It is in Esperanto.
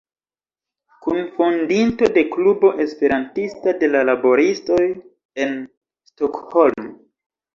Kunfondinto de Klubo Esperantista de la laboristoj en Stockholm.